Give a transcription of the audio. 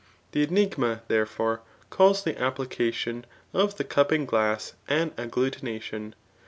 The enigma, therefore, calls the application of the cupping glass an agglutination.